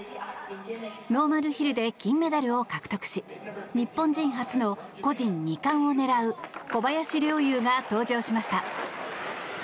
ノーマルヒルで金メダルを獲得し日本人初の個人２冠を狙う小林陵侑が登場しました。